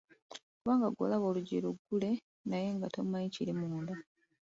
Kubanga ggwe olaba nti oluggi luggule naye nga tomanyi kiri munda!